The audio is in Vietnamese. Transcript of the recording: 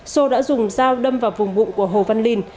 xô đã dùng dao đâm vào vùng bụng của hồ văn linh